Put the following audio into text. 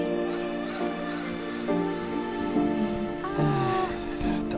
あ疲れた。